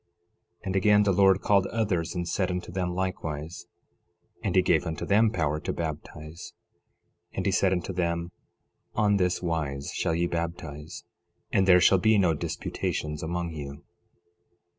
11:22 And again the Lord called others, and said unto them likewise; and he gave unto them power to baptize. And he said unto them: On this wise shall ye baptize; and there shall be no disputations among you.